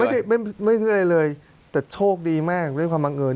ไม่ได้บันทึกอะไรเลยแต่โชคดีมากด้วยความมั่งเงิน